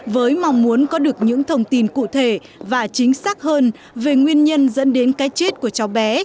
với mong muốn có được những thông tin cụ thể và chính xác hơn về nguyên nhân dẫn đến cái chết của cháu bé